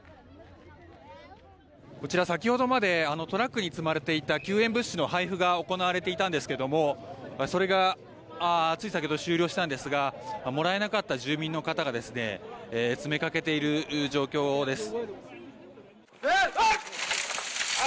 こちら、先ほどまでトラックに積まれていた救援物資の配布が行われていたんですけどもそれが、つい先ほど終了したんですがもらえなかった住民の方が詰めかけている状況です。